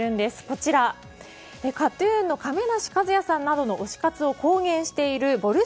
こちら、ＫＡＴ‐ＴＵＮの亀梨和也さんなどの推し活を公言しているぼる